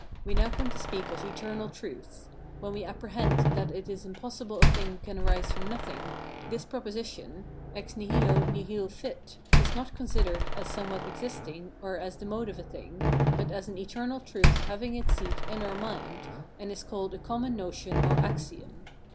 We now come to speak of eternal truths. When we apprehend that it is impossible a thing can arise from nothing, this proposition, EX NIHILO NIHIL FIT, is not considered as somewhat existing, or as the mode of a thing, but as an eternal truth having its seat in our mind, and is called a common notion or axiom.